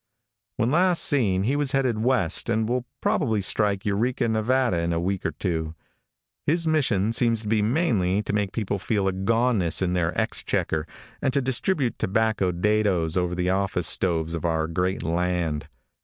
When last seen he was headed west, and will probably strike Eureka, Nevada, in a week or two. His mission seems to be mainly to make people feel a goneness in their exchequer, and to distribute tobacco dados over the office stoves of our great land.